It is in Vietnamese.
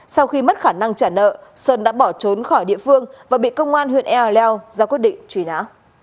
sau khi mất khả năng trả nợ sơn đã bỏ trốn khỏi địa phương và bị công an huyện ea leo ra quyết định truy nã